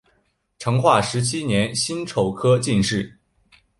成化十七年辛丑科进士。